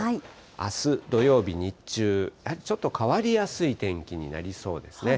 あす土曜日日中、やはりちょっと変わりやすい天気になりそうですね。